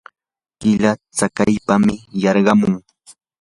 killa tsakaypam yarqamun.